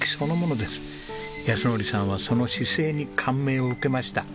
靖典さんはその姿勢に感銘を受けました。